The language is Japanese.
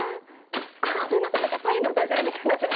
あごめんなさい何かタイのダジャレみたいになっちゃった。